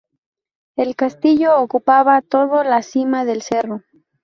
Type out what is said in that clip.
El castillo ocupaba todo la cima del cerro.